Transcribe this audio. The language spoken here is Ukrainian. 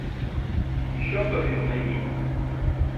Що то він мені?